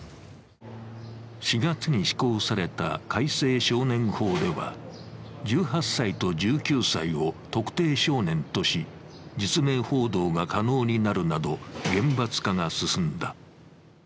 ４月に施行された改正少年法では１８歳と１９歳を特定少年とし、実名報道が可能になるなど厳罰化が進んだ。